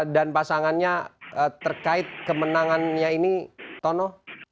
dan pasangannya terkait kemenangannya ini tono